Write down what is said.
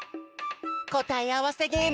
こたえあわせゲーム。